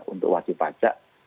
untuk wajib pajak